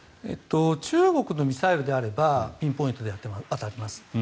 中国のミサイルであればピンポイントで当たります。